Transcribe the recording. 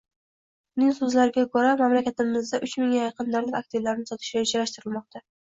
Uning so‘zlariga ko‘ra, mamlakatdagiuchmingga yaqin davlat aktivlarini sotish rejalashtirilmoqda